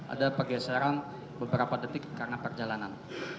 ada pergeseran beberapa detik karena perjalanan